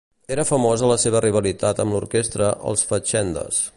Era famosa la seva rivalitat amb l'orquestra Els Fatxendes.